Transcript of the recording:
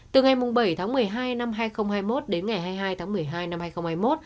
từ ngày bảy tháng một mươi hai năm hai nghìn hai mươi một đến ngày hai mươi hai tháng một mươi hai năm hai nghìn hai mươi một